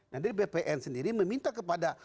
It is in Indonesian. nah dari bpn sendiri meminta kepada